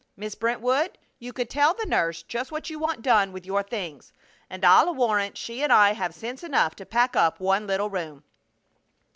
Miss Brentwood, you could tell the nurse just what you want done with your things, and I'll warrant she and I have sense enough to pack up one little room."